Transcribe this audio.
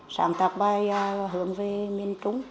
sáng tạo bài hướng về miền trung